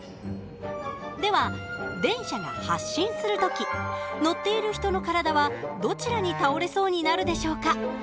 では電車が発進する時乗っている人の体はどちらに倒れそうになるでしょうか？